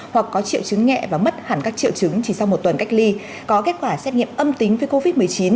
hoặc có triệu chứng nhẹ và mất hẳn các triệu chứng chỉ sau một tuần cách ly có kết quả xét nghiệm âm tính với covid một mươi chín